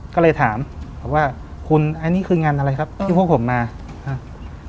ก็เลยถามครับว่าคุณอันนี้คืองานอะไรครับที่พวกผมมาอ่า